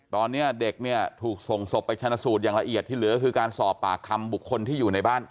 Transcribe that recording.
ตอนนี้เด็กเนี่ยถูกส่งศพไปชนะสูตรอย่างละเอียดที่เหลือก็คือการสอบปากคำบุคคลที่อยู่ในบ้าน